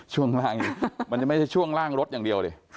ช่วงล่างนี้มันจะไม่ใช่ช่วงล่างรถอย่างเดียวดิ